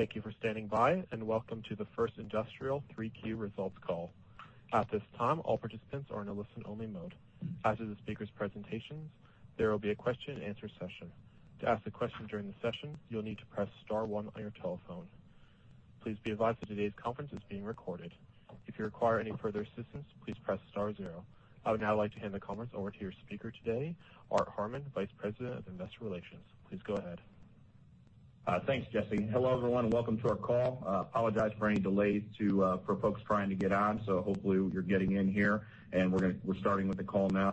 Thank you for standing by. Welcome to the First Industrial 3Q results call. At this time, all participants are in a listen-only mode. After the speakers' presentations, there will be a question and answer session. To ask a question during the session, you'll need to press star one on your telephone. Please be advised that today's conference is being recorded. If you require any further assistance, please press star zero. I would now like to hand the conference over to your speaker today, Art Harmon, Vice President of Investor Relations. Please go ahead. Thanks, Jesse. Hello, everyone, and welcome to our call. I apologize for any delays for folks trying to get on. Hopefully you're getting in here, and we're starting with the call now.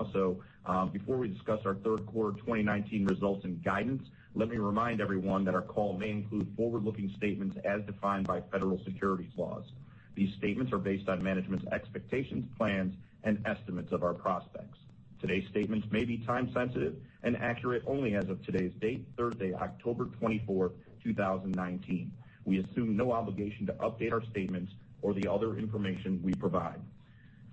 Before we discuss our third quarter 2019 results and guidance, let me remind everyone that our call may include forward-looking statements as defined by federal securities laws. These statements are based on management's expectations, plans, and estimates of our prospects. Today's statements may be time sensitive and accurate only as of today's date, Thursday, October 24, 2019. We assume no obligation to update our statements or the other information we provide.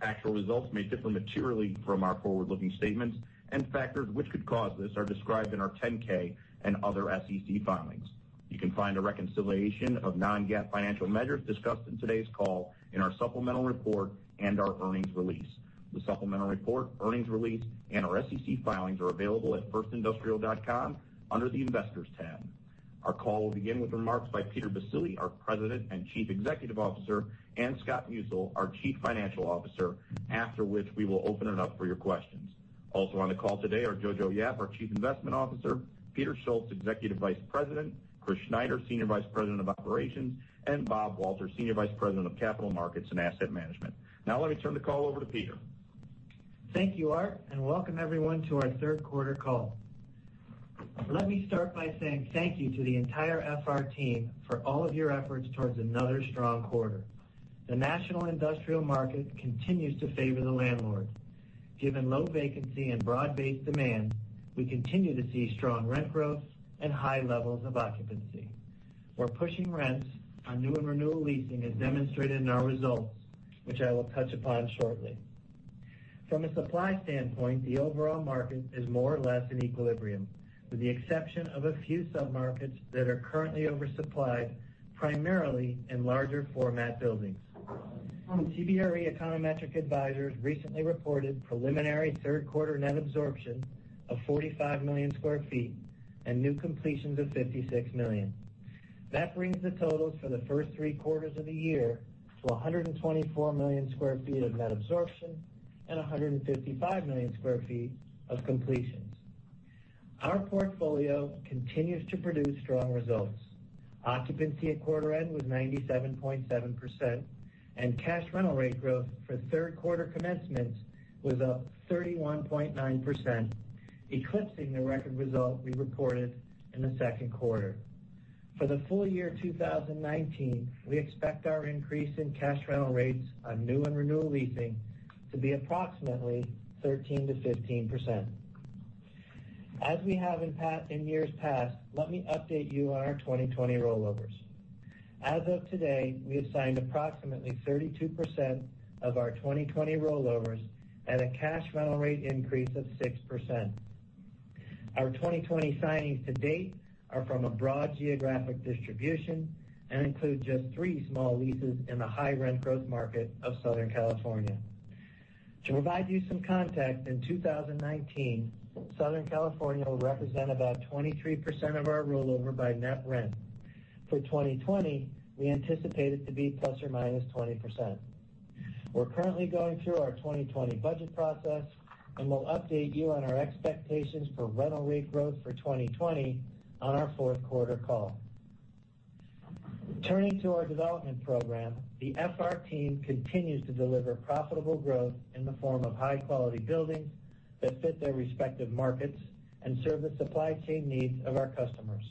Actual results may differ materially from our forward-looking statements, and factors which could cause this are described in our 10K and other SEC filings. You can find a reconciliation of non-GAAP financial measures discussed in today's call in our supplemental report and our earnings release. The supplemental report, earnings release, and our SEC filings are available at firstindustrial.com under the Investors tab. Our call will begin with remarks by Peter Baccile, our President and Chief Executive Officer, and Scott Musil, our Chief Financial Officer, after which we will open it up for your questions. Also on the call today are Johannson Yap, our Chief Investment Officer, Peter Schultz, Executive Vice President, Christopher Schneider, Senior Vice President of Operations, and Robert Walter, Senior Vice President of Capital Markets and Asset Management. Now let me turn the call over to Peter. Thank you, Art, and welcome everyone to our third quarter call. Let me start by saying thank you to the entire FR team for all of your efforts towards another strong quarter. The national industrial market continues to favor the landlord. Given low vacancy and broad-based demand, we continue to see strong rent growth and high levels of occupancy. We're pushing rents on new and renewal leasing as demonstrated in our results, which I will touch upon shortly. From a supply standpoint, the overall market is more or less in equilibrium, with the exception of a few submarkets that are currently oversupplied, primarily in larger format buildings. CBRE Econometric Advisors recently reported preliminary third quarter net absorption of 45 million square feet and new completions of 56 million. That brings the totals for the first three quarters of the year to 124 million sq ft of net absorption and 155 million sq ft of completions. Our portfolio continues to produce strong results. Occupancy at quarter end was 97.7%, and cash rental rate growth for third quarter commencements was up 31.9%, eclipsing the record result we reported in the second quarter. For the full year 2019, we expect our increase in cash rental rates on new and renewal leasing to be approximately 13%-15%. As we have in years past, let me update you on our 2020 rollovers. As of today, we have signed approximately 32% of our 2020 rollovers at a cash rental rate increase of 6%. Our 2020 signings to date are from a broad geographic distribution and include just three small leases in the high rent growth market of Southern California. To provide you some context, in 2019, Southern California will represent about 23% of our rollover by net rent. For 2020, we anticipate it to be ±20%. We're currently going through our 2020 budget process, and we'll update you on our expectations for rental rate growth for 2020 on our fourth quarter call. Turning to our development program, the FR team continues to deliver profitable growth in the form of high-quality buildings that fit their respective markets and serve the supply chain needs of our customers.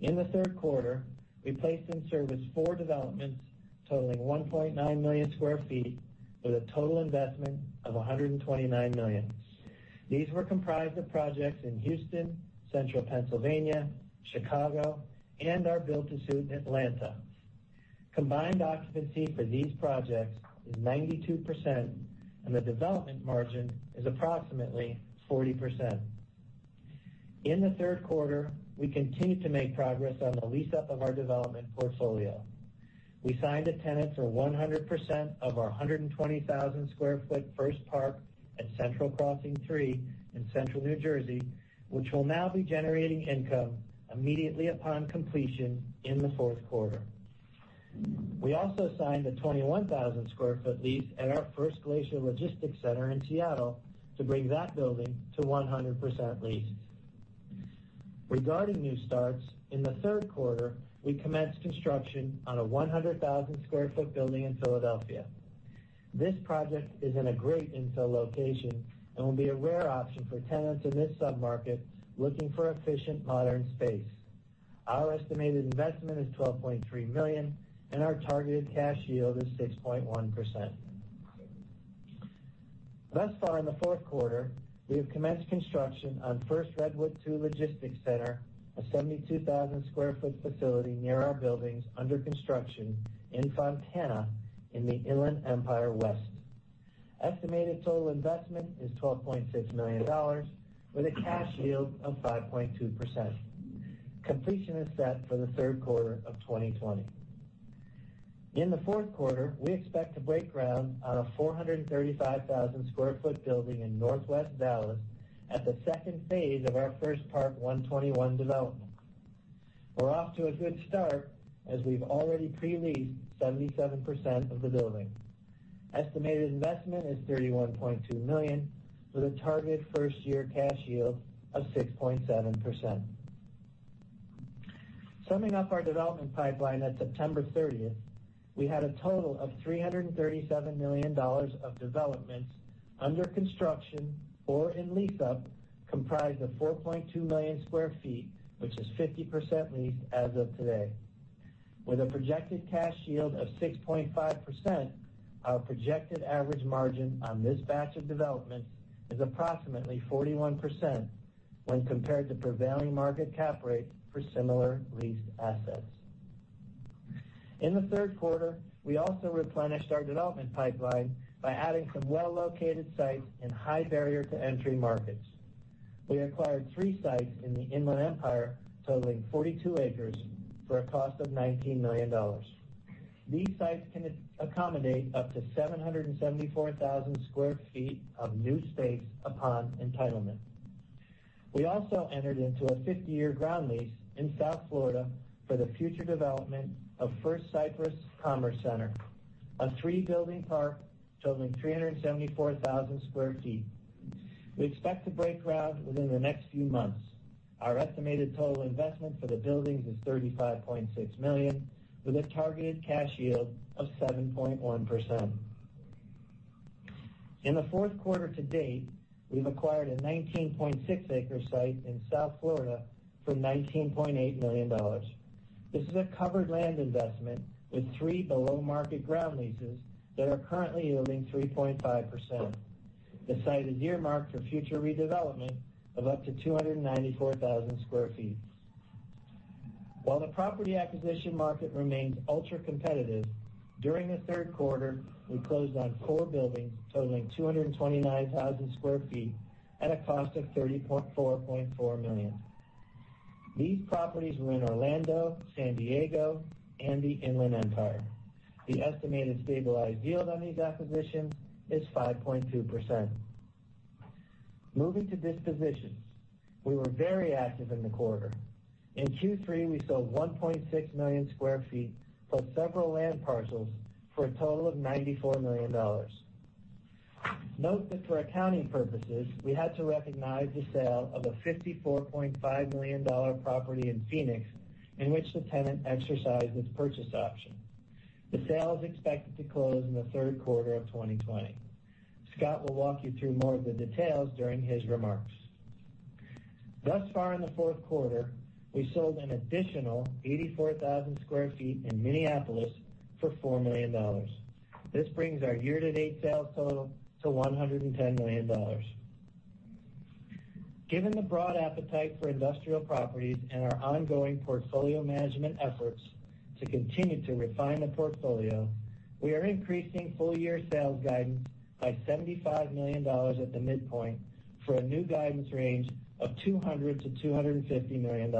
In the third quarter, we placed in service four developments totaling 1.9 million square feet with a total investment of $129 million. These were comprised of projects in Houston, Central Pennsylvania, Chicago, and our build to suit in Atlanta. Combined occupancy for these projects is 92%, and the development margin is approximately 40%. In the third quarter, we continued to make progress on the lease up of our development portfolio. We signed a tenant for 100% of our 120,000 sq ft First Park at Central Crossing 3 in Central New Jersey, which will now be generating income immediately upon completion in the fourth quarter. We also signed a 21,000 sq ft lease at our First Glacier Logistics Center in Seattle to bring that building to 100% leased. Regarding new starts, in the third quarter, we commenced construction on a 100,000 sq ft building in Philadelphia. This project is in a great infill location and will be a rare option for tenants in this submarket looking for efficient modern space. Our estimated investment is $12.3 million, and our targeted cash yield is 6.1%. Thus far in the fourth quarter, we have commenced construction on First Redwood II Logistics Center, a 72,000 sq ft facility near our buildings under construction in Fontana in the Inland Empire West. Estimated total investment is $12.6 million with a cash yield of 5.2%. Completion is set for the third quarter of 2020. In the fourth quarter, we expect to break ground on a 435,000 sq ft building in Northwest Dallas at the second phase of our First Park 121 development. We're off to a good start as we've already pre-leased 77% of the building. Estimated investment is $31.2 million, with a target first-year cash yield of 6.7%. Summing up our development pipeline at September 30th, we had a total of $337 million of developments under construction or in lease-up, comprised of 4.2 million sq ft, which is 50% leased as of today. With a projected cash yield of 6.5%, our projected average margin on this batch of developments is approximately 41% when compared to prevailing market cap rate for similar leased assets. In the third quarter, we also replenished our development pipeline by adding some well-located sites in high barrier to entry markets. We acquired three sites in the Inland Empire, totaling 42 acres for a cost of $19 million. These sites can accommodate up to 774,000 square feet of new space upon entitlement. We also entered into a 50-year ground lease in South Florida for the future development of First Cypress Commerce Center, a three-building park totaling 374,000 square feet. We expect to break ground within the next few months. Our estimated total investment for the buildings is $35.6 million, with a targeted cash yield of 7.1%. In the fourth quarter to date, we've acquired a 19.6 acres site in South Florida for $19.8 million. This is a covered land investment with three below market ground leases that are currently yielding 3.5%. The site is earmarked for future redevelopment of up to 294,000 square feet. While the property acquisition market remains ultra-competitive, during the third quarter, we closed on four buildings totaling 229,000 square feet at a cost of $34.4 million. These properties were in Orlando, San Diego, and the Inland Empire. The estimated stabilized yield on these acquisitions is 5.2%. Moving to dispositions, we were very active in the quarter. In Q3, we sold 1.6 million square feet plus several land parcels for a total of $94 million. Note that for accounting purposes, we had to recognize the sale of a $54.5 million property in Phoenix, in which the tenant exercised its purchase option. The sale is expected to close in the third quarter of 2020. Scott will walk you through more of the details during his remarks. Thus far in the fourth quarter, we sold an additional 84,000 sq ft in Minneapolis for $4 million. This brings our year-to-date sales total to $110 million. Given the broad appetite for industrial properties and our ongoing portfolio management efforts to continue to refine the portfolio, we are increasing full year sales guidance by $75 million at the midpoint for a new guidance range of $200 million-$250 million.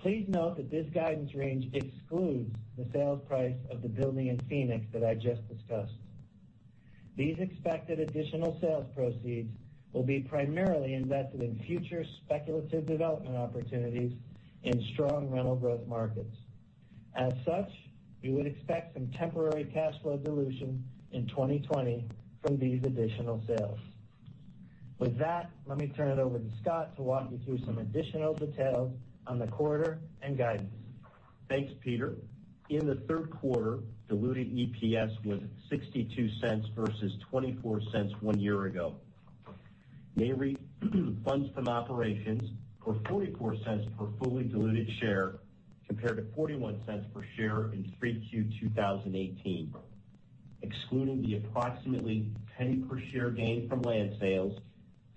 Please note that this guidance range excludes the sales price of the building in Phoenix that I just discussed. These expected additional sales proceeds will be primarily invested in future speculative development opportunities in strong rental growth markets. As such, we would expect some temporary cash flow dilution in 2020 from these additional sales. With that, let me turn it over to Scott to walk you through some additional details on the quarter and guidance. Thanks, Peter. In the third quarter, diluted EPS was $0.62 versus $0.24 one year ago. Nareit funds from operations were $0.44 per fully diluted share, compared to $0.41 per share in 3Q 2018. Excluding the approximately $0.01 per share gain from land sales,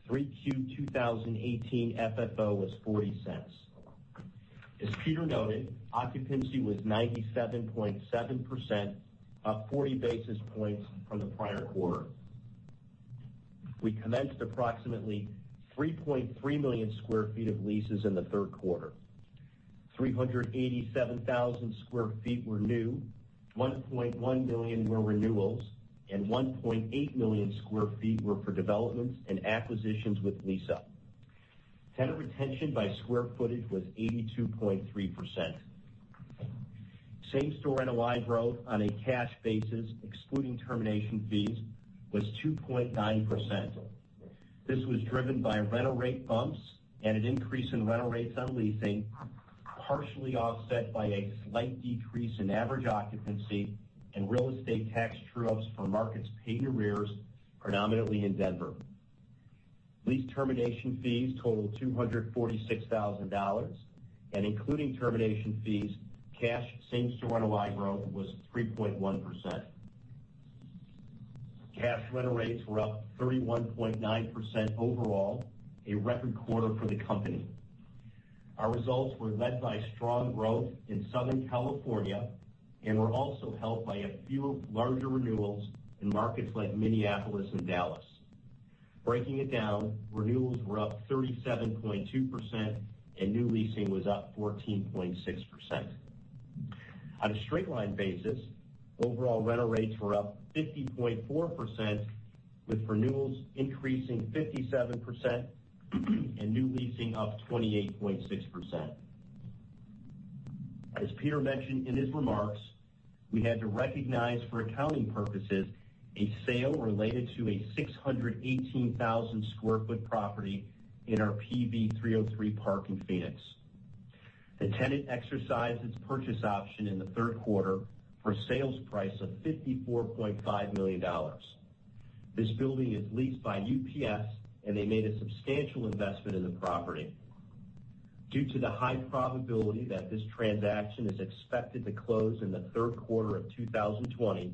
3Q 2018 FFO was $0.40. As Peter noted, occupancy was 97.7%, up 40 basis points from the prior quarter. We commenced approximately 3.3 million sq ft of leases in the third quarter. 387,000 sq ft were new, 1.1 million were renewals, and 1.8 million sq ft were for developments and acquisitions with lease up. Tenant retention by square footage was 82.3%. Same-store NOI growth on a cash basis, excluding termination fees, was 2.9%. This was driven by rental rate bumps and an increase in rental rates on leasing, partially offset by a slight decrease in average occupancy and real estate tax true-ups for markets paid in arrears, predominantly in Denver. Lease termination fees totaled $246,000. Including termination fees, cash same-store NOI growth was 3.1%. Cash rental rates were up 31.9% overall, a record quarter for the company. Our results were led by strong growth in Southern California and were also helped by a few larger renewals in markets like Minneapolis and Dallas. Breaking it down, renewals were up 37.2% and new leasing was up 14.6%. On a straight line basis, overall rental rates were up 50.4%, with renewals increasing 57% and new leasing up 28.6%. As Peter mentioned in his remarks, we had to recognize for accounting purposes a sale related to a 618,000 sq ft property in our First Park @ PV 303 in Phoenix. The tenant exercised its purchase option in the third quarter for a sales price of $54.5 million. This building is leased by UPS, and they made a substantial investment in the property. Due to the high probability that this transaction is expected to close in the third quarter of 2020,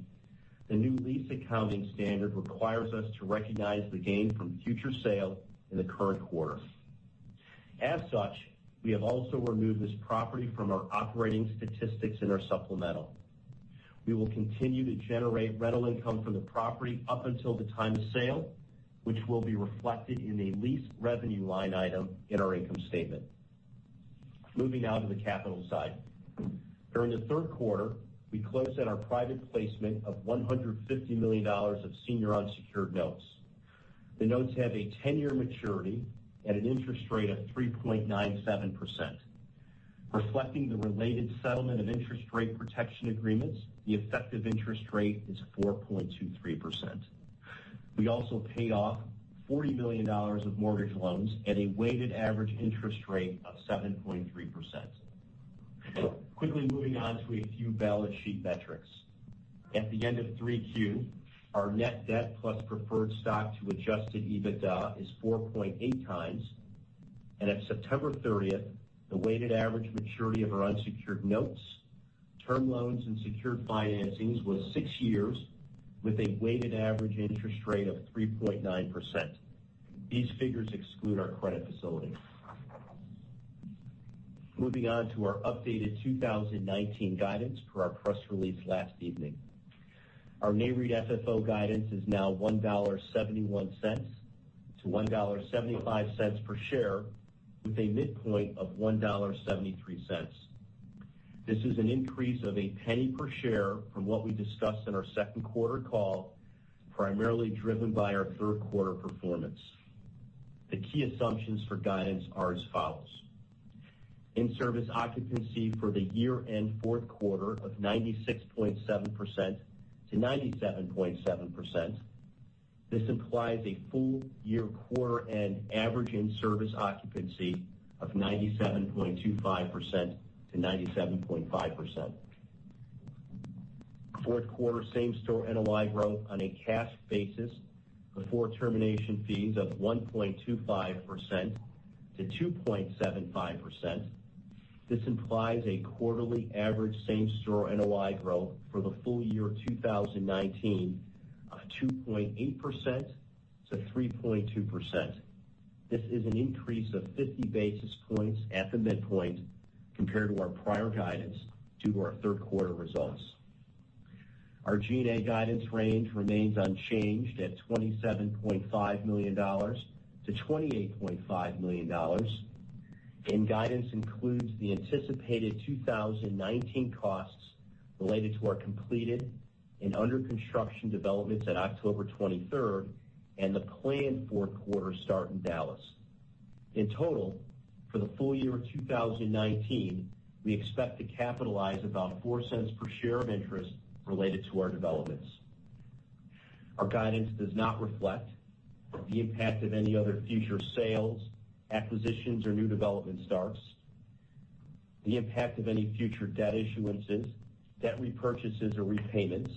the new lease accounting standard requires us to recognize the gain from future sale in the current quarter. As such, we have also removed this property from our operating statistics in our supplemental. We will continue to generate rental income from the property up until the time of sale, which will be reflected in a lease revenue line item in our income statement. Moving now to the capital side. During the third quarter, we closed on our private placement of $150 million of senior unsecured notes. The notes have a 10-year maturity at an interest rate of 3.97%. Reflecting the related settlement of interest rate protection agreements, the effective interest rate is 4.23%. We also paid off $40 million of mortgage loans at a weighted average interest rate of 7.3%. Quickly moving on to a few balance sheet metrics. At the end of three Q, our net debt plus preferred stock to adjusted EBITDA is 4.8 times. At September 30th, the weighted average maturity of our unsecured notes, term loans, and secured financings was six years with a weighted average interest rate of 3.9%. These figures exclude our credit facility. Moving on to our updated 2019 guidance per our press release last evening. Our NAREIT FFO guidance is now $1.71-$1.75 per share, with a midpoint of $1.73. This is an increase of $0.01 per share from what we discussed in our second quarter call, primarily driven by our third quarter performance. The key assumptions for guidance are as follows. In-service occupancy for the year-end fourth quarter of 96.7%-97.7%. This implies a full-year quarter-end average in-service occupancy of 97.25%-97.5%. Fourth quarter same-store NOI growth on a cash basis before termination fees of 1.25%-2.75%. This implies a quarterly average same-store NOI growth for the full year 2019 of 2.8%-3.2%. This is an increase of 50 basis points at the midpoint compared to our prior guidance due to our third quarter results. Our G&A guidance range remains unchanged at $27.5 million-$28.5 million. Guidance includes the anticipated 2019 costs related to our completed and under-construction developments at October 23rd and the planned fourth quarter start in Dallas. In total, for the full year 2019, we expect to capitalize about $0.04 per share of interest related to our developments. Our guidance does not reflect the impact of any other future sales, acquisitions, or new development starts, the impact of any future debt issuances, debt repurchases, or repayments,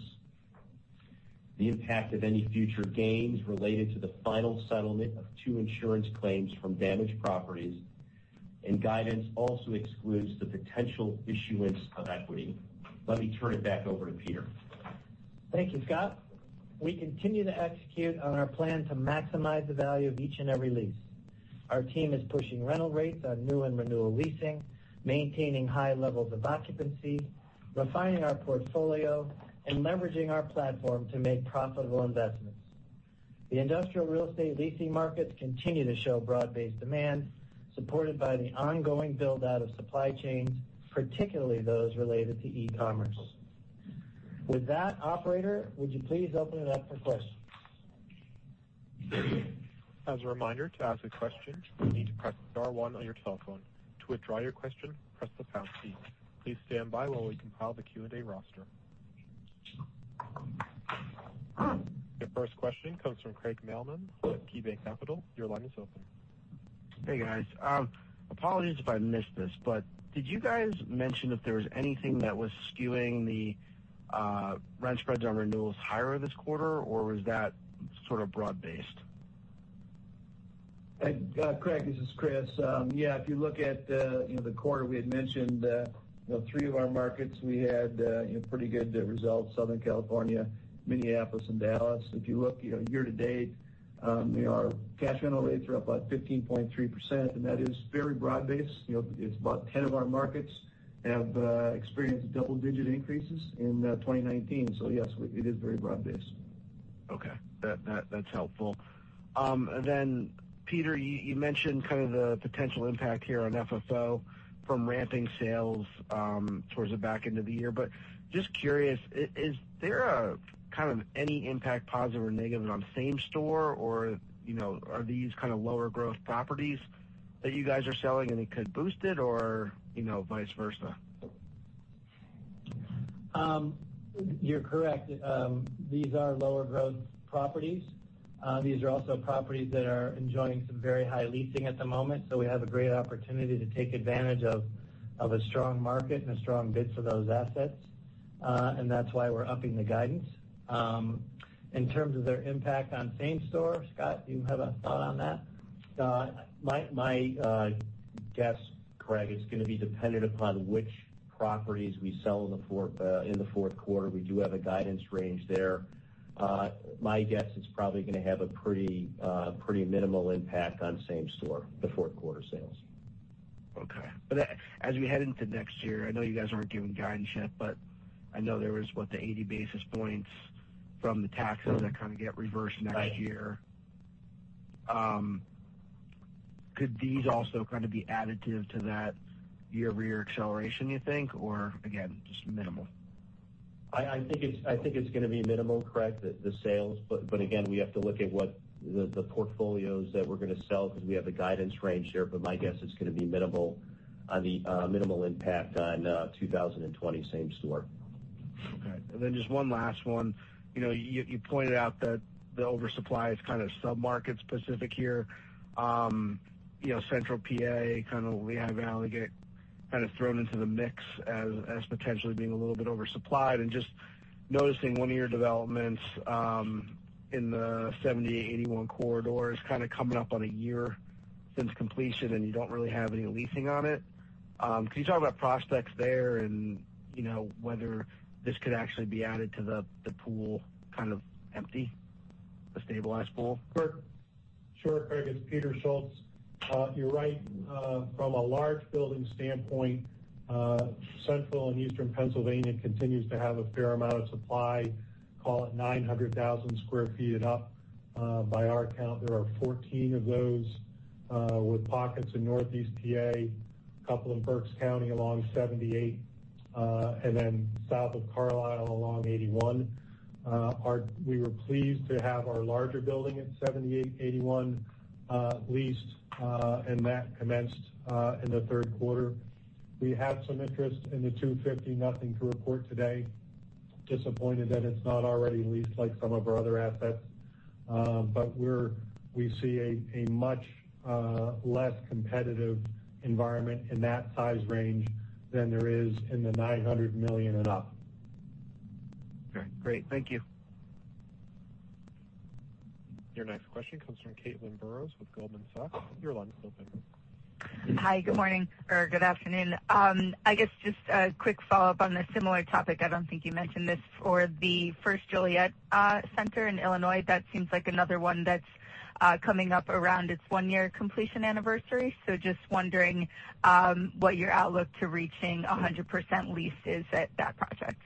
the impact of any future gains related to the final settlement of two insurance claims from damaged properties. Guidance also excludes the potential issuance of equity. Let me turn it back over to Peter. Thank you, Scott. We continue to execute on our plan to maximize the value of each and every lease. Our team is pushing rental rates on new and renewal leasing, maintaining high levels of occupancy, refining our portfolio, and leveraging our platform to make profitable investments. The industrial real estate leasing markets continue to show broad-based demand, supported by the ongoing build-out of supply chains, particularly those related to e-commerce. With that, operator, would you please open it up for questions? As a reminder, to ask a question, you need to press star one on your telephone. To withdraw your question, press the pound key. Please stand by while we compile the Q&A roster. Your first question comes from Craig Mailman with KeyBanc Capital Markets. Your line is open. Hey, guys. Apologies if I missed this, but did you guys mention if there was anything that was skewing the rent spreads on renewals higher this quarter, or was that sort of broad based? Craig, this is Chris. Yeah, if you look at the quarter, we had mentioned three of our markets we had pretty good results, Southern California, Minneapolis, and Dallas. If you look year to date Our cash rental rates are up by 15.3%. That is very broad-based. It's about 10 of our markets have experienced double-digit increases in 2019. Yes, it is very broad-based. Okay. That's helpful. Peter, you mentioned the potential impact here on FFO from ramping sales towards the back end of the year. Just curious, is there any impact, positive or negative, on same store, or are these kind of lower growth properties that you guys are selling and it could boost it or vice versa? You're correct. These are lower growth properties. These are also properties that are enjoying some very high leasing at the moment. We have a great opportunity to take advantage of a strong market and a strong bid for those assets. That's why we're upping the guidance. In terms of their impact on same store, Scott, do you have a thought on that? My guess, Craig, it's going to be dependent upon which properties we sell in the fourth quarter. We do have a guidance range there. My guess, it's probably going to have a pretty minimal impact on same store, the fourth quarter sales. Okay. As we head into next year, I know you guys aren't giving guidance yet, but I know there was what, the 80 basis points from the taxes that kind of get reversed next year. Right. Could these also be additive to that year-over-year acceleration, you think, or again, just minimal? I think it's going to be minimal, Craig, the sales. Again, we have to look at what the portfolios that we're going to sell because we have the guidance range there, but my guess it's going to be minimal impact on 2020 same store. Okay. Just one last one. You pointed out that the oversupply is kind of sub-market specific here. Central P.A., Lehigh Valley get kind of thrown into the mix as potentially being a little bit oversupplied and just noticing one of your developments in the 78-81 corridor is kind of coming up on one year since completion, and you don't really have any leasing on it. Can you talk about prospects there and whether this could actually be added to the pool, kind of empty, a stabilized pool? Sure, Craig. It's Peter Schultz. You're right. From a large building standpoint, Central and Eastern Pennsylvania continues to have a fair amount of supply, call it 900,000 square feet and up. By our count, there are 14 of those with pockets in Northeast PA, couple in Berks County along 78, and then south of Carlisle along 81. We were pleased to have our larger building at 7881 leased, and that commenced in the third quarter. We have some interest in the 250, nothing to report today. Disappointed that it's not already leased like some of our other assets. We see a much less competitive environment in that size range than there is in the $900 million and up. Okay, great. Thank you. Your next question comes from Caitlin Burrows with Goldman Sachs. Your line's open. Hi, good morning or good afternoon. I guess just a quick follow-up on a similar topic. I don't think you mentioned this for the First Joliet Center in Illinois. That seems like another one that's coming up around its one-year completion anniversary. Just wondering what your outlook to reaching 100% lease is at that project.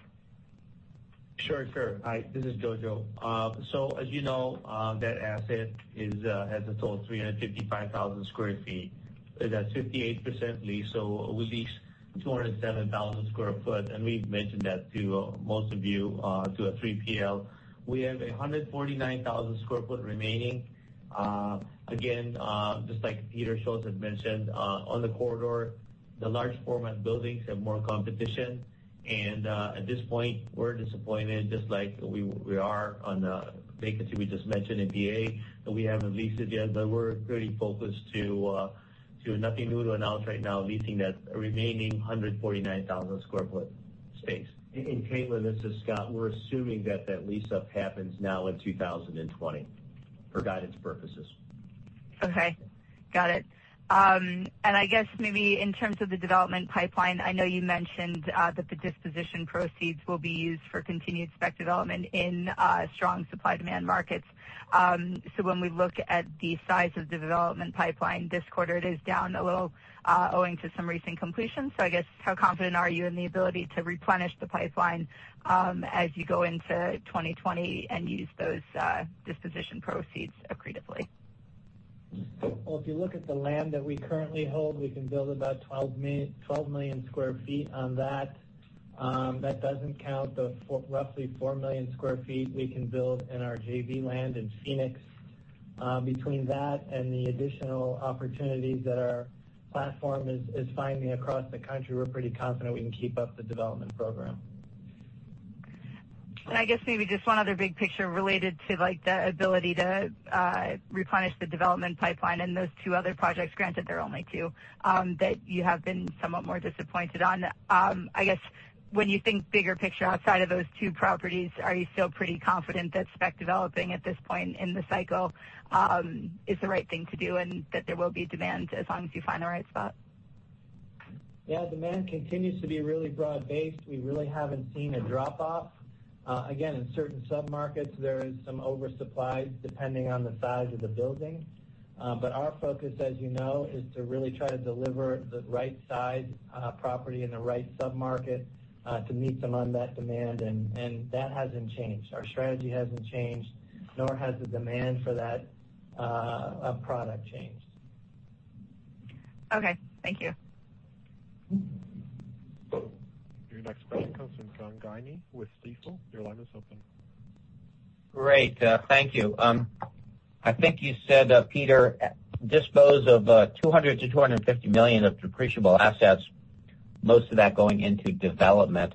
Sure, Caitlin. Hi, this is Jojo. As you know, that asset has a total of 355,000 square feet. It has 58% lease, we leased 207,000 square foot, we've mentioned that to most of you to a 3PL. We have 149,000 square foot remaining. Again, just like Peter Schultz had mentioned, on the corridor, the large format buildings have more competition. At this point, we're disappointed just like we are on the vacancy we just mentioned in PA that we haven't leased yet, we're pretty focused to nothing new to announce right now, leasing that remaining 149,000 square foot space. Caitlin, this is Scott. We're assuming that that lease up happens now in 2020 for guidance purposes. Okay. Got it. I guess maybe in terms of the development pipeline, I know you mentioned that the disposition proceeds will be used for continued spec development in strong supply-demand markets. When we look at the size of the development pipeline this quarter, it is down a little, owing to some recent completions. I guess how confident are you in the ability to replenish the pipeline as you go into 2020 and use those disposition proceeds accretively? Well, if you look at the land that we currently hold, we can build about 12 million sq ft on that. That doesn't count the roughly 4 million sq ft we can build in our JV land in Phoenix. Between that and the additional opportunities that our platform is finding across the country, we're pretty confident we can keep up the development program. I guess maybe just one other big picture related to the ability to replenish the development pipeline and those two other projects, granted they're only two, that you have been somewhat more disappointed on. I guess when you think bigger picture outside of those two properties, are you still pretty confident that spec developing at this point in the cycle is the right thing to do and that there will be demand as long as you find the right spot? Yeah. Demand continues to be really broad-based. We really haven't seen a drop-off. Again, in certain sub-markets, there is some oversupply depending on the size of the building. Our focus, as you know, is to really try to deliver the right size property in the right sub-market to meet some unmet demand and that hasn't changed. Our strategy hasn't changed, nor has the demand for that product changed. Okay. Thank you. Your next question comes from John Guinee with Stifel. Your line is open. Great. Thank you. I think you said, Peter, dispose of $200 million-$250 million of depreciable assets, most of that going into development.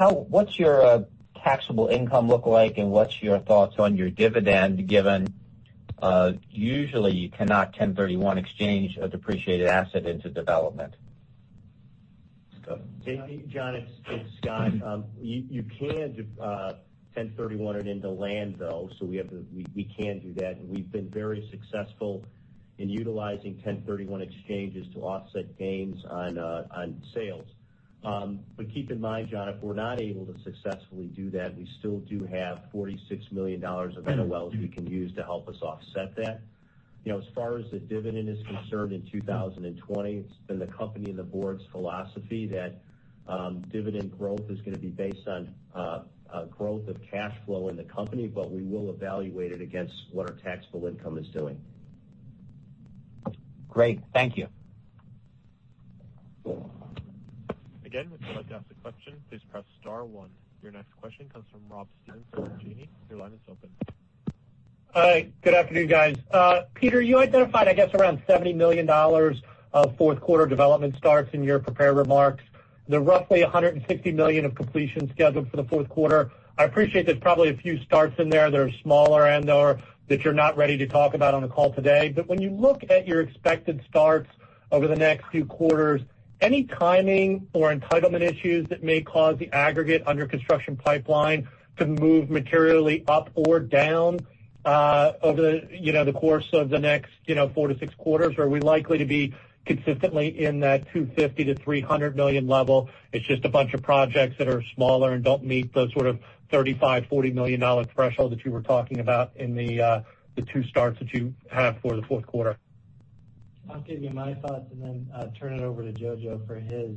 What's your taxable income look like, and what's your thoughts on your dividend, given usually you cannot 1031 exchange a depreciated asset into development? John, it's Scott. You can 1031 it into land, though, so we can do that. We've been very successful in utilizing 1031 exchanges to offset gains on sales. Keep in mind, John, if we're not able to successfully do that, we still do have $46 million of NOLs we can use to help us offset that. As far as the dividend is concerned in 2020, it's been the company and the board's philosophy that dividend growth is going to be based on growth of cash flow in the company, but we will evaluate it against what our taxable income is doing. Great. Thank you. Again, if you would like to ask a question, please press star 1. Your next question comes from Rob Stevenson with Janney. Your line is open. Hi. Good afternoon, guys. Peter, you identified, I guess, around $70 million of fourth quarter development starts in your prepared remarks. The roughly $160 million of completions scheduled for the fourth quarter. I appreciate there's probably a few starts in there that are smaller and/or that you're not ready to talk about on the call today. When you look at your expected starts over the next few quarters, any timing or entitlement issues that may cause the aggregate under construction pipeline to move materially up or down over the course of the next four to six quarters? Are we likely to be consistently in that $250 million-$300 million level? It's just a bunch of projects that are smaller and don't meet the sort of $35 million, $40 million threshold that you were talking about in the two starts that you have for the fourth quarter. I'll give you my thoughts and then turn it over to Jojo for his.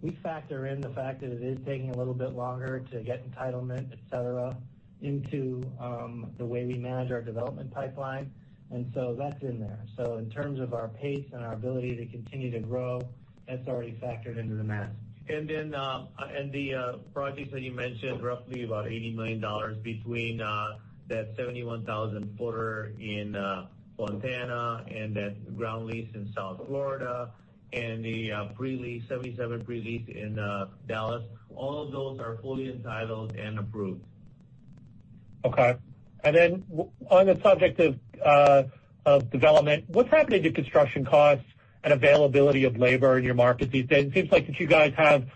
We factor in the fact that it is taking a little bit longer to get entitlement, et cetera, into the way we manage our development pipeline. That's in there. In terms of our pace and our ability to continue to grow, that's already factored into the math. The projects that you mentioned, roughly about $80 million between that 71,000 footer in Fontana and that ground lease in South Florida and the pre-lease, 77 pre-lease in Dallas. All of those are fully entitled and approved. Okay. On the subject of development, what's happening to construction costs and availability of labor in your markets these days? It seems like that you guys have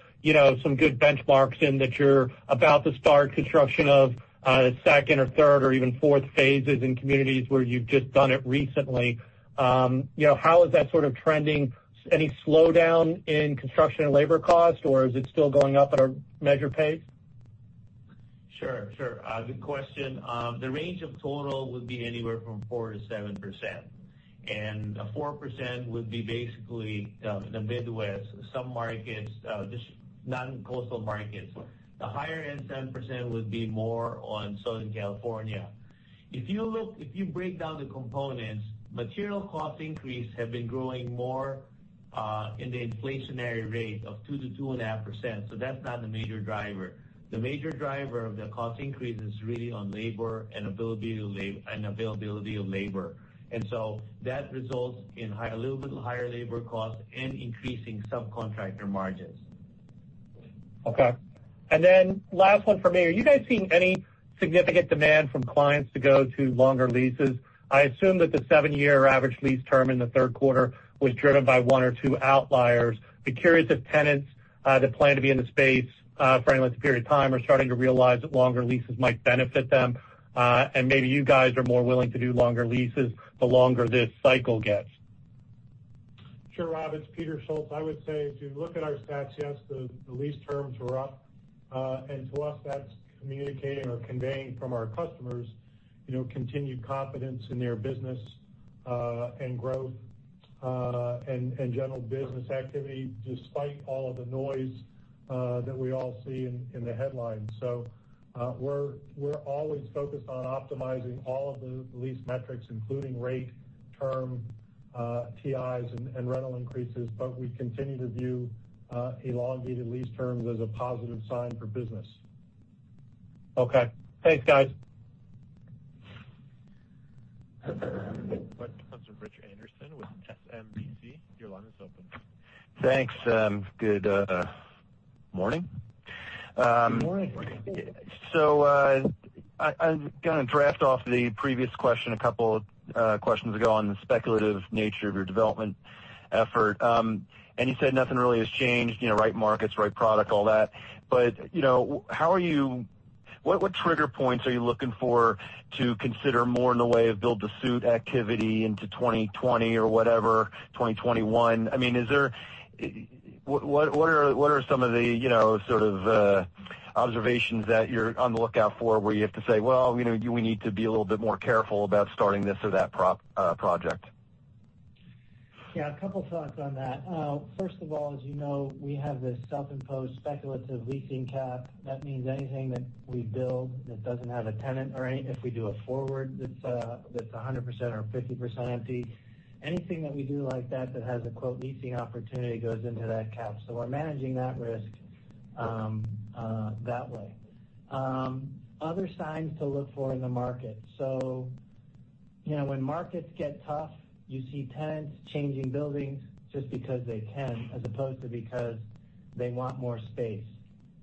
some good benchmarks in that you're about to start construction of second or third or even fourth phases in communities where you've just done it recently. How is that sort of trending? Any slowdown in construction and labor cost, or is it still going up at a measured pace? Sure. Good question. The range of total would be anywhere from 4% to 7%. 4% would be basically the Midwest, some markets, non-coastal markets. The higher end, 7%, would be more on Southern California. If you break down the components, material cost increase have been growing more in the inflationary rate of 2%-2.5%, so that's not the major driver. The major driver of the cost increase is really on labor and availability of labor. That results in a little bit higher labor cost and increasing subcontractor margins. Okay. Last one from me. Are you guys seeing any significant demand from clients to go to longer leases? I assume that the seven-year average lease term in the third quarter was driven by one or two outliers. Be curious if tenants that plan to be in the space for any length of period of time are starting to realize that longer leases might benefit them. Maybe you guys are more willing to do longer leases the longer this cycle gets. Sure, Rob, it's Peter Schultz. I would say if you look at our stats, yes, the lease terms were up. To us, that's communicating or conveying from our customers continued confidence in their business and growth and general business activity despite all of the noise that we all see in the headlines. We're always focused on optimizing all of the lease metrics, including rate, term, TIs, and rental increases. We continue to view elongated lease terms as a positive sign for business. Okay. Thanks, guys. Your next question comes from Richard Anderson with SMBC. Your line is open. Thanks. Good morning. Good morning. Morning. I'm going to draft off the previous question a couple questions ago on the speculative nature of your development effort. You said nothing really has changed, right markets, right product, all that. How are you? What trigger points are you looking for to consider more in the way of build-to-suit activity into 2020 or whatever, 2021? What are some of the observations that you're on the lookout for, where you have to say, "Well, we need to be a little bit more careful about starting this or that project? Yeah. A couple thoughts on that. First of all, as you know, we have this self-imposed speculative leasing cap. That means anything that we build that doesn't have a tenant or if we do a forward that's 100% or 50% empty, anything that we do like that has a "leasing opportunity," goes into that cap. We're managing that risk that way. Other signs to look for in the market. When markets get tough, you see tenants changing buildings just because they can, as opposed to because they want more space.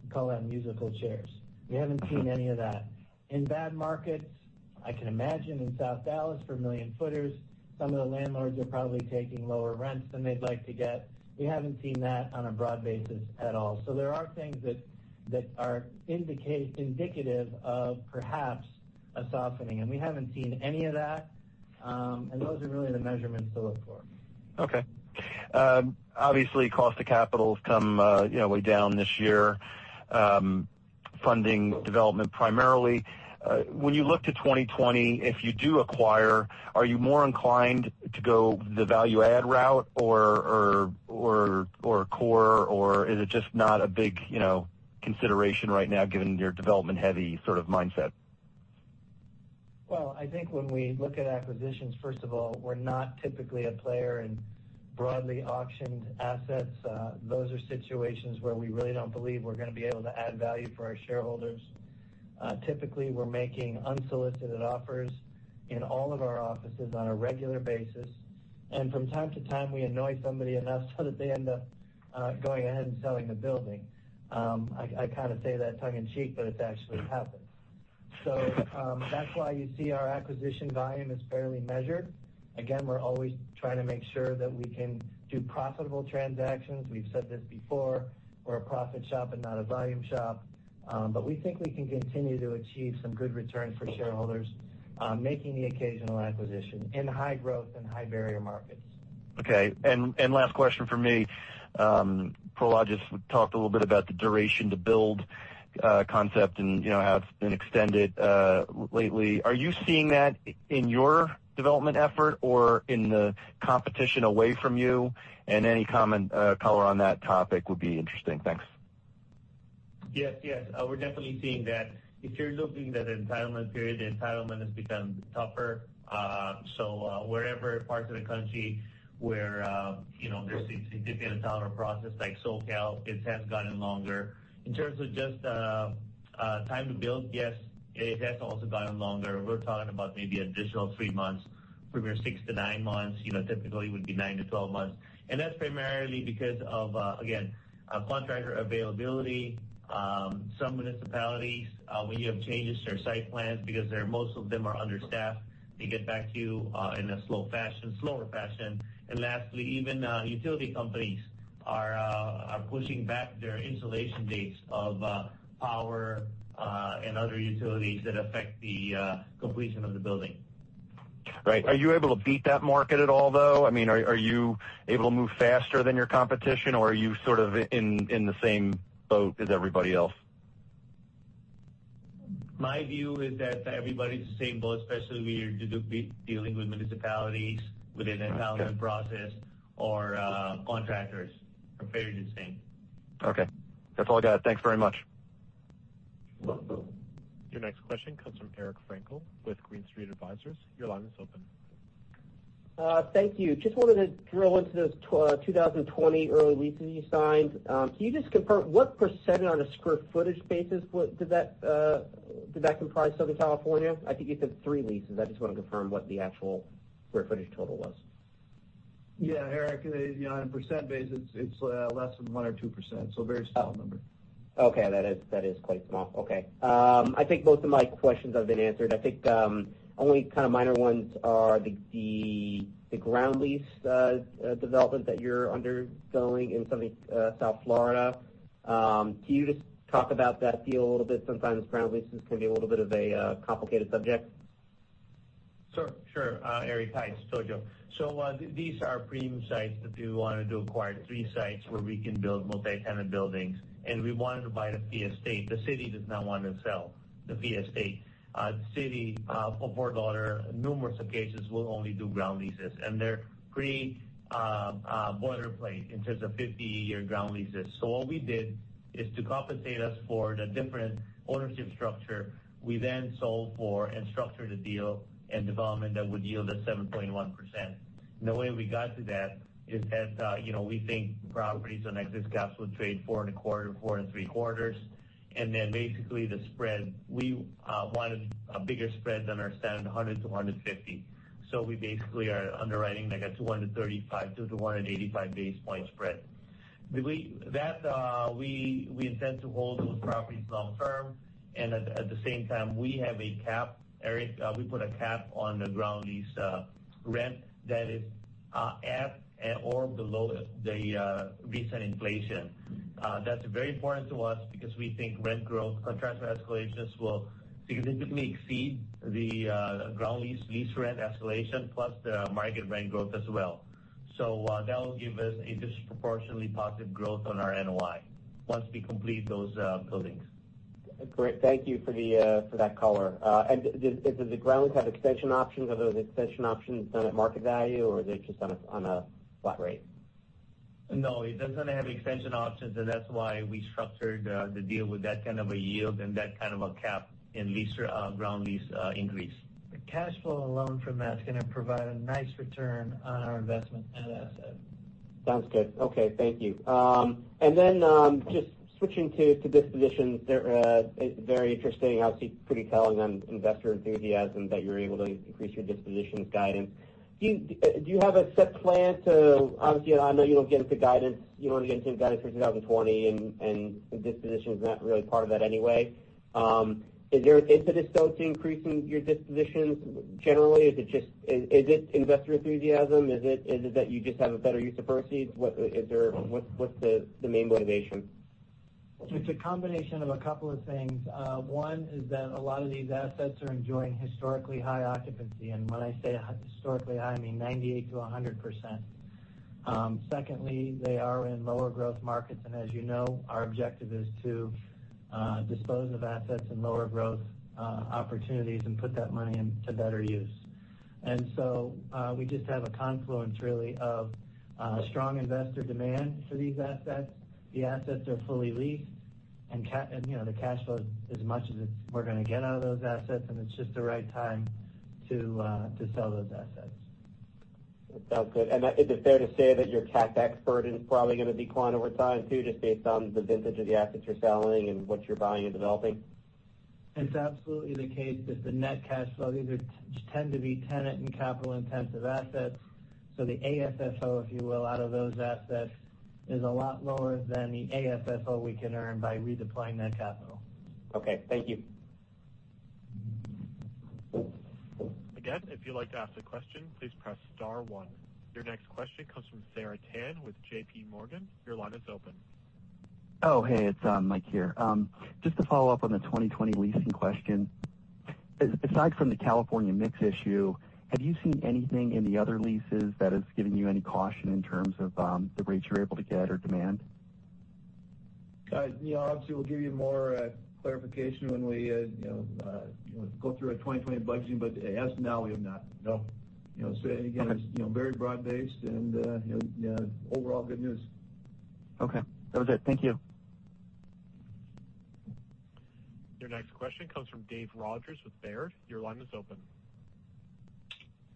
We call that musical chairs. We haven't seen any of that. In bad markets, I can imagine in South Dallas for million-footers, some of the landlords are probably taking lower rents than they'd like to get. We haven't seen that on a broad basis at all. There are things that are indicative of perhaps a softening, and we haven't seen any of that, and those are really the measurements to look for. Okay. Obviously, cost of capital has come way down this year. Funding development primarily. When you look to 2020, if you do acquire, are you more inclined to go the value-add route or core, or is it just not a big consideration right now given your development-heavy sort of mindset? Well, I think when we look at acquisitions, first of all, we're not typically a player in broadly auctioned assets. Those are situations where we really don't believe we're going to be able to add value for our shareholders. Typically, we're making unsolicited offers in all of our offices on a regular basis. From time to time, we annoy somebody enough so that they end up going ahead and selling the building. I kind of say that tongue in cheek, but it's actually happened. That's why you see our acquisition volume is fairly measured. Again, we're always trying to make sure that we can do profitable transactions. We've said this before, we're a profit shop and not a volume shop. We think we can continue to achieve some good returns for shareholders, making the occasional acquisition in high-growth and high-barrier markets. Okay. Last question from me. Prologis talked a little bit about the duration to build concept and how it's been extended lately. Are you seeing that in your development effort or in the competition away from you? Any comment, color on that topic would be interesting. Thanks. Yes. We're definitely seeing that. If you're looking at the entitlement period, the entitlement has become tougher. Wherever parts of the country where there's a significant entitlement process, like SoCal, it has gotten longer. In terms of just time to build, yes, it has also gotten longer. We're talking about maybe an additional three months from your 6-9 months, typically would be 9-12 months. That's primarily because of, again, contractor availability. Some municipalities, when you have changes to their site plans, because most of them are understaffed, they get back to you in a slower fashion. Lastly, even utility companies are pushing back their installation dates of power and other utilities that affect the completion of the building. Right. Are you able to beat that market at all, though? Are you able to move faster than your competition, or are you sort of in the same boat as everybody else? My view is that everybody's in the same boat, especially when you're dealing with municipalities with an entitlement process or contractors are very the same. Okay. That's all I got. Thanks very much. You're welcome. Your next question comes from Eric Frankel with Green Street Advisors. Your line is open. Thank you. Just wanted to drill into those 2020 early leases you signed. Can you just confirm what % on a square footage basis did that comprise Southern California? I think you said three leases. I just want to confirm what the actual square footage total was. Yeah, Eric, on a percent basis, it's less than 1% or 2%, so a very small number. Okay. That is quite small. Okay. I think both of my questions have been answered. I think, only kind of minor ones are the ground lease development that you're undergoing in South Florida. Can you just talk about that deal a little bit? Sometimes ground leases can be a little bit of a complicated subject. Sure, Eric. Hi, it's Jojo. These are premium sites that we wanted to acquire, three sites where we can build multi-tenant buildings, and we wanted to buy the fee estate. The city does not want to sell the fee estate. The city of Fort Lauderdale, numerous occasions, will only do ground leases, and they're pretty boilerplate in terms of 50-year ground leases. What we did is to compensate us for the different ownership structure, we then sold for and structured a deal and development that would yield a 7.1%. The way we got to that is that, we think properties on exit caps would trade four and a quarter, four and three quarters. Then basically the spread, we wanted a bigger spread than our standard 100 to 150. We basically are underwriting like a 200 to 35 to the 185 basis point spread. We intend to hold those properties long-term, at the same time, we have a cap, Eric. We put a cap on the ground lease rent that is at or below the recent inflation. That's very important to us because we think rent growth contract escalations will significantly exceed the ground lease rent escalation plus the market rent growth as well. That will give us a disproportionately positive growth on our NOI once we complete those buildings. Great. Thank you for that color. Does the grounds have extension options? Are those extension options done at market value, or are they just on a flat rate? No, it doesn't have extension options, and that's why we structured the deal with that kind of a yield and that kind of a cap in ground lease increase. The cash flow alone from that's going to provide a nice return on our investment in that asset. Sounds good. Okay. Thank you. Just switching to dispositions. They're very interesting. Obviously pretty telling on investor enthusiasm that you're able to increase your dispositions guidance. Do you have a set plan to Obviously, I know you don't get into guidance for 2020, and the disposition is not really part of that anyway. Is the discount increasing your dispositions generally? Is it investor enthusiasm? Is it that you just have a better use of proceeds? What's the main motivation? It's a combination of a couple of things. One is that a lot of these assets are enjoying historically high occupancy. When I say historically high, I mean 98%-100%. Secondly, they are in lower growth markets, as you know, our objective is to dispose of assets in lower growth opportunities and put that money into better use. We just have a confluence, really, of strong investor demand for these assets. The assets are fully leased, the cash flow is as much as we're going to get out of those assets, it's just the right time to sell those assets. That sounds good. Is it fair to say that your CapEx burden is probably going to decline over time too, just based on the vintage of the assets you're selling and what you're buying and developing? It's absolutely the case that the net cash flow, these tend to be tenant and capital intensive assets. The AFFO, if you will, out of those assets is a lot lower than the AFFO we can earn by redeploying that capital. Okay. Thank you. Again, if you'd like to ask a question, please press star one. Your next question comes from Sarah Tan with J.P. Morgan. Your line is open. Oh, hey, it's Mike here. Just to follow up on the 2020 leasing question. Aside from the California mix issue, have you seen anything in the other leases that has given you any caution in terms of the rates you're able to get or demand? We'll give you more clarification when we go through our 2020 budgeting, but as of now, we have not. No. It's very broad-based and overall good news. Okay. That was it. Thank you. Your next question comes from Dave Rogers with Baird. Your line is open.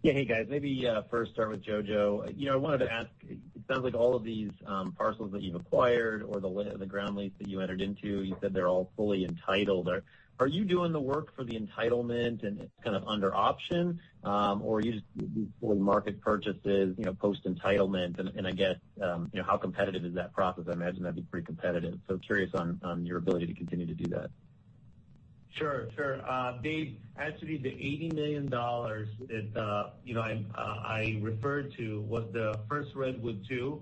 Yeah. Hey, guys. Maybe first start with Jojo. I wanted to ask, it sounds like all of these parcels that you've acquired or the ground lease that you entered into, you said they're all fully entitled. Are you doing the work for the entitlement and it's kind of under option? Or are you just doing full market purchases post-entitlement? I guess, how competitive is that process? I imagine that'd be pretty competitive. Curious on your ability to continue to do that. Sure. Dave, actually, the $80 million that I referred to was the First Redwood II,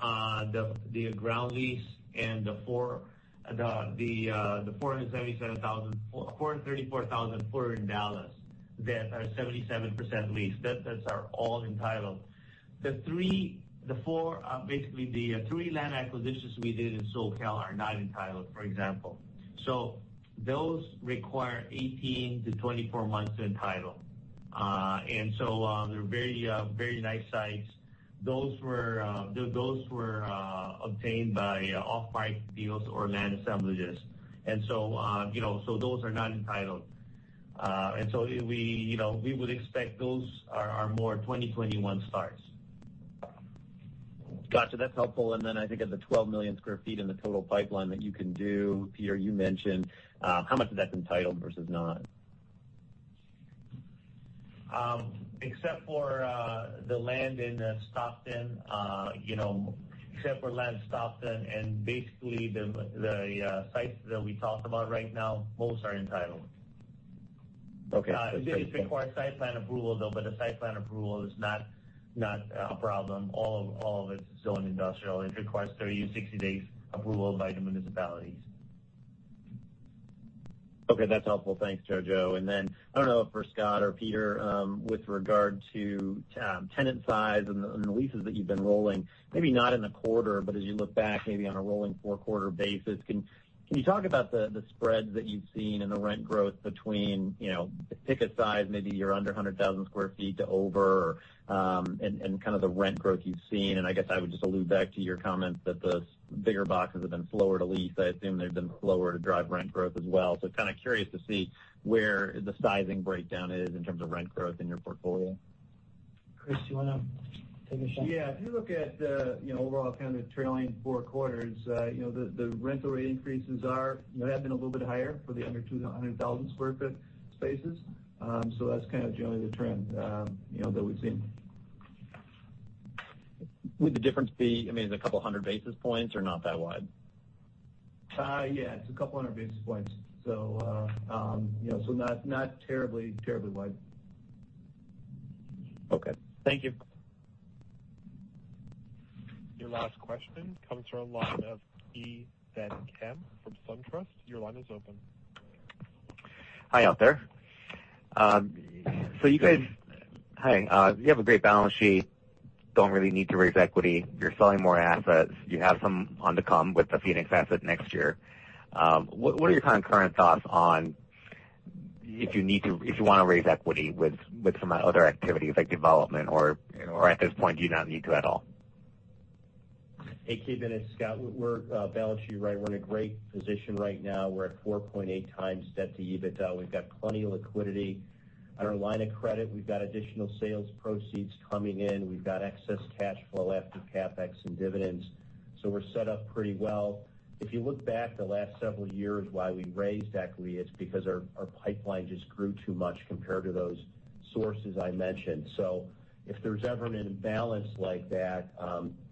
the ground lease, and the 434,000 for in Dallas that are 77% leased. Those are all entitled. Basically, the three land acquisitions we did in SoCal are not entitled, for example. Those require 18 to 24 months to entitle. They're very nice sites. Those were obtained by off-market deals or land assemblages. Those are not entitled. We would expect those are more 2021 starts. Got you. That's helpful. Then I think of the $12 million square feet in the total pipeline that you can do, Peter, you mentioned. How much of that's entitled versus not? Except for land Stockton, and basically the sites that we talked about right now, most are entitled. Okay. It requires site plan approval, though, but a site plan approval is not a problem. All of it's still in industrial. It requires 30-60 days approval by the municipalities. Okay. That's helpful. Thanks, Jojo. I don't know for Scott or Peter, with regard to tenant size and the leases that you've been rolling, maybe not in a quarter, but as you look back maybe on a rolling four-quarter basis, can you talk about the spreads that you've seen and the rent growth between pick a size, maybe your under 100,000 square feet to over, and kind of the rent growth you've seen? I guess I would just allude back to your comment that the bigger boxes have been slower to lease. I assume they've been slower to drive rent growth as well. Kind of curious to see where the sizing breakdown is in terms of rent growth in your portfolio. Chris, do you want to take a shot? Yeah. If you look at the overall kind of trailing four quarters, the rental rate increases have been a little bit higher for the under 200,000 square foot spaces. That's kind of generally the trend that we've seen. Would the difference be, I mean, is it a couple of hundred basis points or not that wide? Yeah, it's a couple of hundred basis points. Not terribly wide. Okay. Thank you. Your last question comes from the line of Ki Bin Kim from SunTrust. Your line is open. Hi out there. You have a great balance sheet. Don't really need to raise equity. You're selling more assets. You have some on the come with the Phoenix asset next year. What are your kind of current thoughts on if you want to raise equity with some other activities like development or at this point, do you not need to at all? Hey, Ki. This is Scott. We're balance sheet right. We're in a great position right now. We're at 4.8 times debt to EBITDA. We've got plenty of liquidity on our line of credit. We've got additional sales proceeds coming in. We've got excess cash flow after CapEx and dividends. We're set up pretty well. If you look back the last several years, why we raised equity, it's because our pipeline just grew too much compared to those sources I mentioned. If there's ever an imbalance like that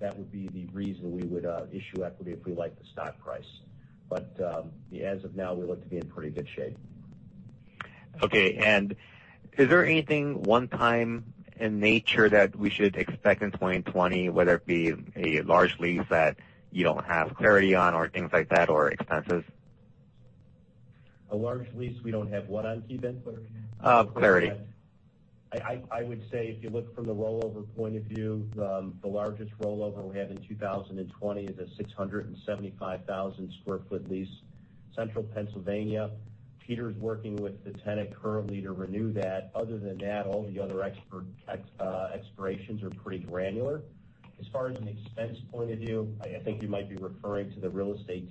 would be the reason we would issue equity if we like the stock price. As of now, we look to be in pretty good shape. Okay. Is there anything one time in nature that we should expect in 2020, whether it be a large lease that you don't have clarity on or things like that, or expenses? A large lease we don't have what on, Ki Bin? Clarity. I would say if you look from the rollover point of view, the largest rollover we have in 2020 is a 675,000 square foot lease, central Pennsylvania. Peter's working with the tenant currently to renew that. Other than that, all the other expirations are pretty granular. As far as an expense point of view, I think you might be referring to the real estate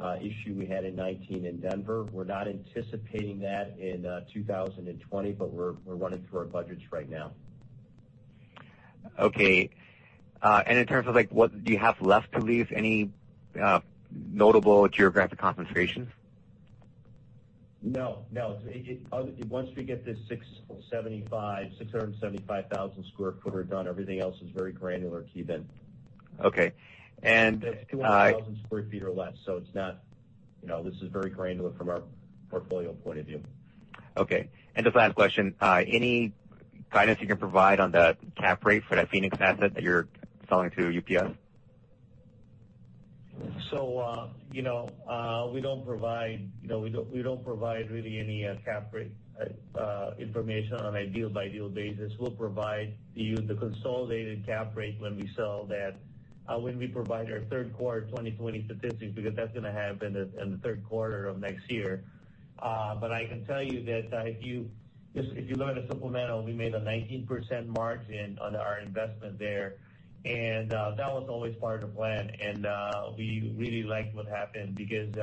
tax issue we had in 2019 in Denver. We're not anticipating that in 2020, but we're running through our budgets right now. Okay. In terms of what do you have left to lease, any notable geographic concentrations? No. Once we get this 675,000 square footer done, everything else is very granular, Ki Bin. Okay. It's 200,000 sq ft or less. This is very granular from our portfolio point of view. Okay. Just last question. Any guidance you can provide on the cap rate for that Phoenix asset that you're selling to UPS? We don't provide really any cap rate information on a deal by deal basis. We'll provide you the consolidated cap rate when we provide our third quarter 2020 statistics, because that's going to happen in the third quarter of next year. I can tell you that if you look at the supplemental, we made a 19% margin on our investment there, and that was always part of the plan. We really liked what happened because,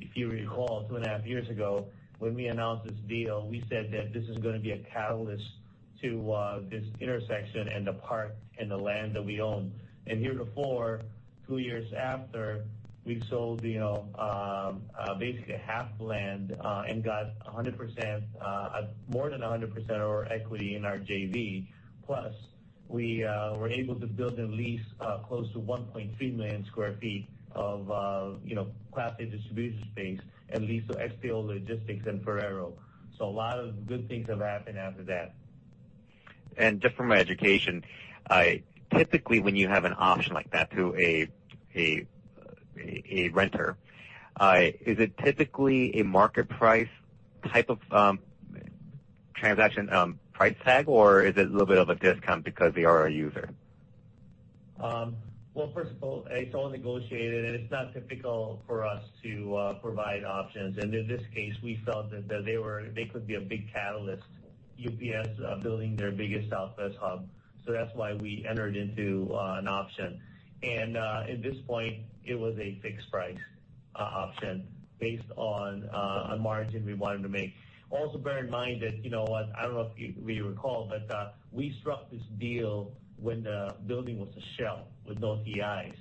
if you recall two and a half years ago when we announced this deal, we said that this is going to be a catalyst to this intersection and the park and the land that we own. Here before, two years after, we've sold basically half the land, and got more than 100% of our equity in our JV. We were able to build and lease close to 1.3 million sq ft of class A distribution space and lease to XPO Logistics and Ferrero. A lot of good things have happened after that. Just for my education, typically, when you have an option like that to a renter, is it typically a market price type of transaction price tag, or is it a little bit of a discount because they are a user? First of all, it's all negotiated, and it's not typical for us to provide options. In this case, we felt that they could be a big catalyst, UPS building their biggest Southwest hub. That's why we entered into an option. At this point, it was a fixed price option based on a margin we wanted to make. Bear in mind that, I don't know if you recall, but we struck this deal when the building was a shell with no TIs.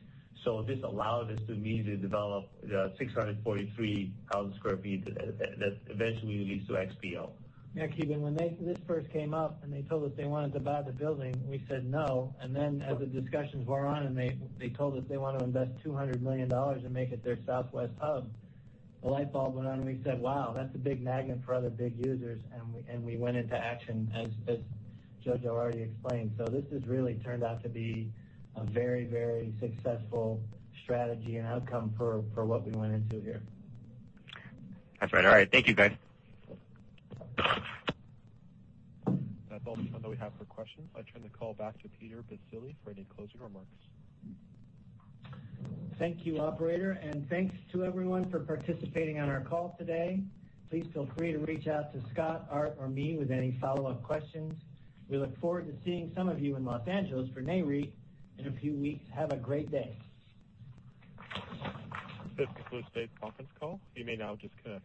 This allowed us to immediately develop the 643,000 sq ft that eventually leads to XPO. Yeah. Ki Bin, when this first came up and they told us they wanted to buy the building, we said no. Then as the discussions wore on, and they told us they want to invest $200 million and make it their Southwest hub, the light bulb went on and we said, "Wow, that's a big magnet for other big users." We went into action, as Jojo already explained. This has really turned out to be a very successful strategy and outcome for what we went into here. That's right. All right. Thank you, guys. That's all the time that we have for questions. I turn the call back to Peter Baccile for any closing remarks. Thank you, operator. Thanks to everyone for participating on our call today. Please feel free to reach out to Scott, Art, or me with any follow-up questions. We look forward to seeing some of you in Los Angeles for NAREIT in a few weeks. Have a great day. This concludes today's conference call. You may now disconnect.